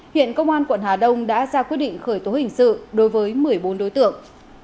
hiện công an quận hà đông đã ra quyết định khởi tố hình sự đối với một mươi bốn đối tượng